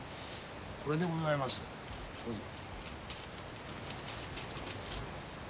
これでございますどうぞ。